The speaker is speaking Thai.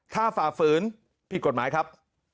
ถ้าฝ่าฝืนผิดกฎหมายครับ